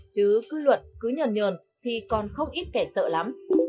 chứ cứ luật cứ nhờn nhờn thì còn không ít kẻ sợ lắm